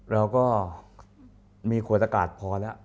เราก็มีขวดอากาศพอแล้ว